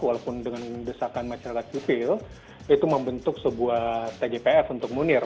walaupun dengan desakan masyarakat sipil itu membentuk sebuah tgpf untuk munir